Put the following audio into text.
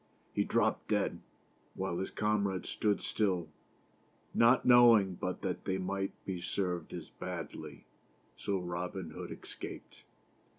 He dropped dead, while his comrades stood still, not knowing but that they might be served as badly, so Robin Hood escaped.